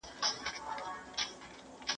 غزل ولولئ